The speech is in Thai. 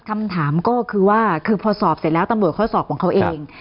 คำถามก็คือว่าคือพอสอบเสร็จแล้วตำรวจเขาสอบของเขาเอง